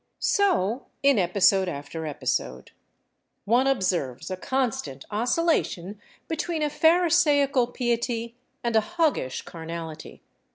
So in episode after episode. One observes a constant oscillation between a pharisaical piety and a hoggish carnality.